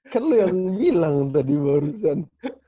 kan lu yang bilang tadi barusan